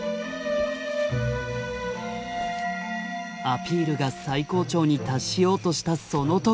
アピールが最高潮に達しようとしたその時。